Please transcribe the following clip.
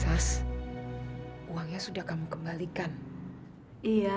saya juga sudah bilang soalnya aku sudah berhubungan dengan mbak nadia